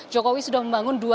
jokowi sudah membangun